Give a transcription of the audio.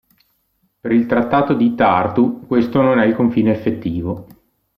Per il Trattato di Tartu, questo non è il confine effettivo.